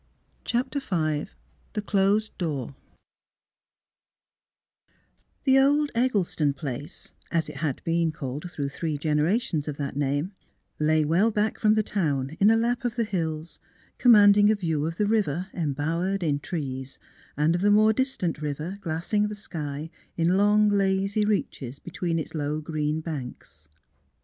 CHAPTER V THE CLOSED DOOR The old Eggleston place, as it had been called through three generations of that name, lay well back from the town in a lap of the hills, command ing a view of the village embowered in trees and of the more distant river glassing the sky in long, lazy reaches between its low green banks.